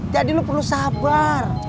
jadi lo perlu sabar